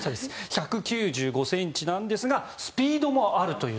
１９５ｃｍなんですがスピードもあるという。